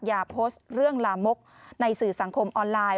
อย่าโพสต์เรื่องลามกในสื่อสังคมออนไลน์